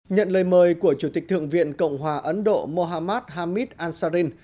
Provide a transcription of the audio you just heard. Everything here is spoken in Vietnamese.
nhận lời mời của chủ tịch thượng viện cộng hòa ấn độ mohammad hamid ansarin